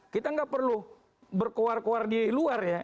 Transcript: kita nggak perlu berkuar kuar di luar ya